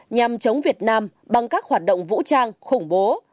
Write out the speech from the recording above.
nhằm chống việt nam bằng các hoạt động vũ trang khủng bố